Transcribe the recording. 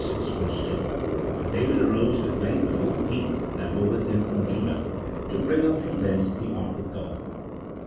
2 :" And David arose and went with all the people that were with him from Judah, to bring up from thence the ark of God."